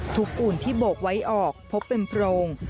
ปูนที่โบกไว้ออกพบเป็นโพรง